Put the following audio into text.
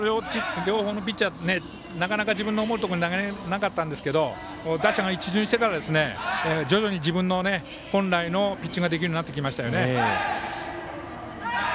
なかなか自分の思うところに投げられなかったんですが打者が一巡してから徐々に自分の本来のピッチングができるようになってきましたよね。